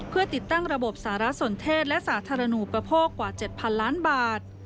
เพื่อติดตั้งระบบสารสนเทศและสาธารณูปโภคกว่า๗๐๐ล้านบาท